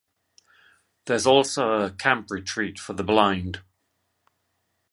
There is also a camp retreat for the blind.